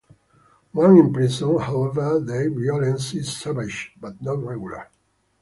Once in prison, however, their violence is savage but not regular.